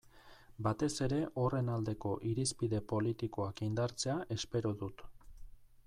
Batez ere horren aldeko irizpide politikoak indartzea espero dut.